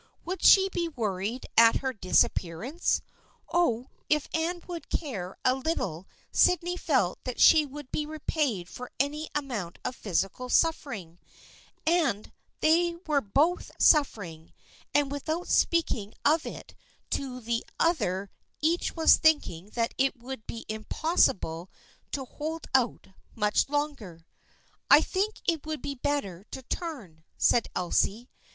Would she be worried at her disappearance ? Oh, if Anne would only care a lit tle Sydney felt that she would be repaid for any amount of physical suffering ! And they were both suffering, and without speaking of it to the other 1U THE FRIENDSHIP OF ANNE each was thinking that it would be impossible to hold out much longer. " I think it would be better to turn," said Elsie.